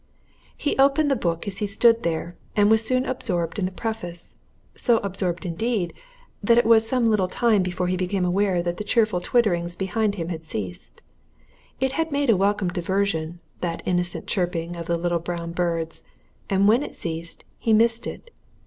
He opened the book as he stood there, and was soon absorbed in the preface; so absorbed indeed, that it was some little time before he became aware that the cheerful twittering behind him had ceased. It had made a welcome diversion, that innocent chirping of the little brown birds, and when it ceased, he missed it.